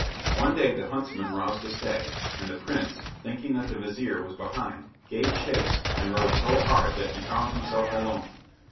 One day the huntsman roused a stag, and the prince, thinking that the vizir was behind, gave chase, and rode so hard that he found himself alone.